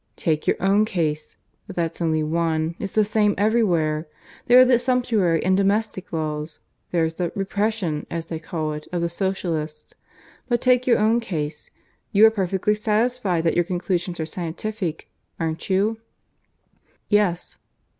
Take your own case; though that's only one: it's the same everywhere. There are the sumptuary and domestic laws; there's the 'repression,' as they call it, of the Socialists. But take your own case. You are perfectly satisfied that your conclusions are scientific, aren't you?" "Yes."